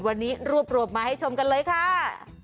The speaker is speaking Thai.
วันนี้รวบรวมมาให้ชมกันเลยค่ะ